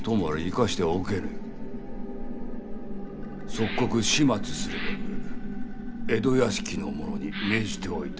即刻始末するべく江戸屋敷の者に命じておいた。